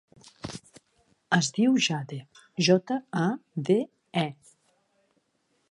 Es diu Jade: jota, a, de, e.